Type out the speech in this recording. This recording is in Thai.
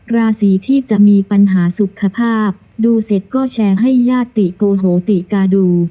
ราศีที่จะมีปัญหาสุขภาพดูเสร็จก็แชร์ให้ญาติติโกโหติกาดู